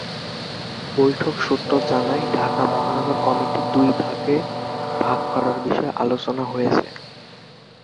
বৈঠক সূত্র জানায়, ঢাকা মহানগর কমিটি দুইভাগে ভাগ করার বিষয়ে আলোচনা হয়েছে।